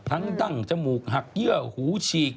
ดั้งจมูกหักเยื่อหูฉีก